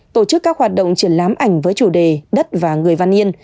tổ chức các hoạt động triển lãm ảnh với chủ đề đất và người văn yên